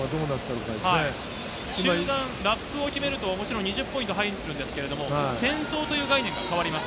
中段、ラップを決めると２０ポイント入るんですけれど先頭という概念が変わります。